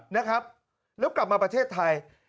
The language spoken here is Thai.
นะครับแล้วกลับมาประเทศไทย